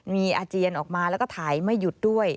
มีอาเจียนออกมาแล้วก็ถ่ายไม่หยุดด้วย